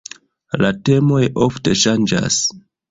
La temoj ofte ŝanĝas.